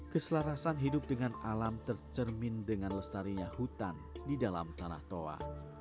keselarasan hidup dengan alam tercermin dengan lestarinya hutan di dalam tanah toa